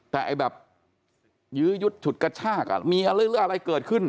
แต่ไอ้แบบยื้อยุดฉุดกระชากมีอะไรหรืออะไรเกิดขึ้น